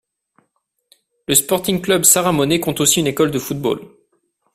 Le Sporting Club Saramonais compte aussi une école de football.